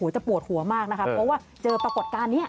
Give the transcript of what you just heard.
จะปวดหัวมากนะคะเพราะว่าเจอปรากฏการณ์นี้